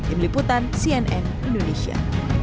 im liputan cnn indonesia